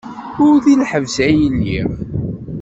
Ur deg lḥebs ay lliɣ.